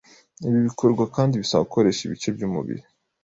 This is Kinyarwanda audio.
Ibi bikorwa kandi bisaba gukoresha ibice by’umubiri